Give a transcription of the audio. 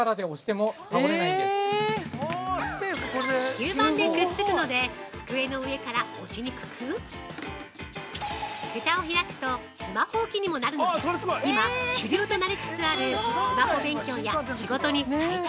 ◆吸盤でくっつくので机の上から落ちにくくふたを開くとスマホ置きにもなるので今主流となりつつあるスマホ勉強や仕事に快適！